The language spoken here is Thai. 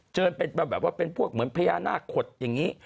เจอแบบว่าเป็นพวกเหมือนพญานาคตอย่างนี้